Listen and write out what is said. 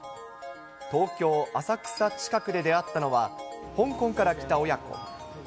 東京・浅草近くで出会ったのは、香港から来た親子。